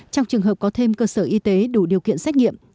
trong trường hợp có thêm cơ sở y tế đủ điều kiện xét nghiệm